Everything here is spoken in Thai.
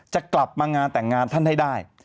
จะกลับมางานแต่งงานท่านให้ได้